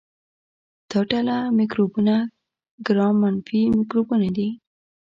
دا ډله مکروبونه ګرام منفي مکروبونه دي.